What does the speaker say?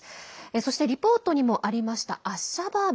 そして、リポートにもありましたアッシャバーブ。